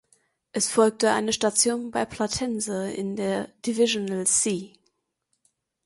Es folgte eine Station bei Platense in der "Divisional C".